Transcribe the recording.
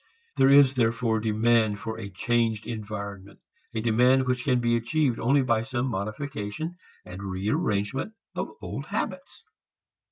There is therefore demand for a changed environment, a demand which can be achieved only by some modification and rearrangement of old habits.